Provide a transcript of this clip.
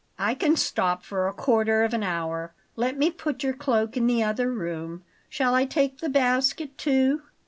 "I can stop for a quarter of an hour. Let me put your cloak in the other room. Shall I take the basket, too?"